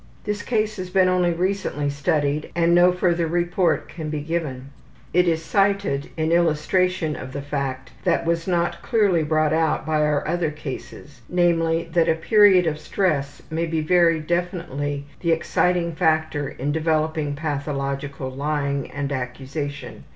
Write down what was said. This case has been only recently studied and no further report can be given. It is cited in illustration of the fact that was not clearly brought out by our other cases, namely, that a period of stress may be very definitely the exciting factor in developing pathological lying and accusation.